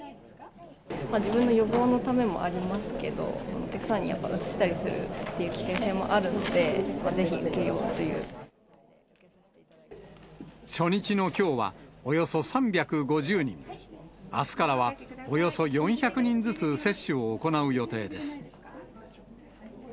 自分の予防のためもありますけど、お客さんにやっぱうつしたりする危険性もあるので、ぜひ受けよう初日のきょうは、およそ３５０人、あすからはおよそ４００人ずつ接種を行う予定です。